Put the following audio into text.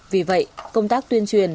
vì vậy công tác tuyên truyền